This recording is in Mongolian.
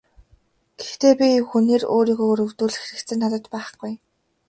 Гэхдээ би хүнээр өөрийгөө өрөвдүүлэх хэрэгцээ надад байхгүй.